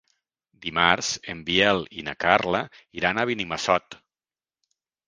Dimarts en Biel i na Carla iran a Benimassot.